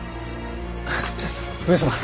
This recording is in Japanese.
上様。